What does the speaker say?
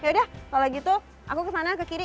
yaudah kalau gitu aku ke sana ke kiri